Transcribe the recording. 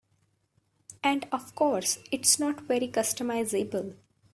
And of course, it's not very customizable.